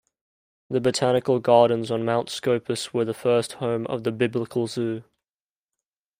The botanical gardens on Mount Scopus were the first home of the Biblical Zoo.